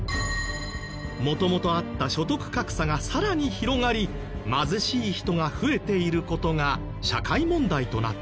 元々あった所得格差がさらに広がり貧しい人が増えている事が社会問題となっている。